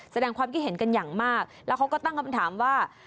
แสดงความคิดเห็นกันอย่างมากแล้วเขาก็ตั้งคำถามว่า